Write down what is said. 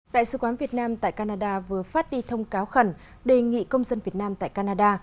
đại sứ quán việt nam tại canada vừa phát đi thông cáo khẩn đề nghị công dân việt nam tại canada